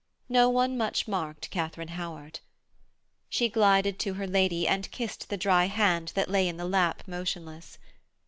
No one much marked Katharine Howard. She glided to her lady and kissed the dry hand that lay in the lap motionless.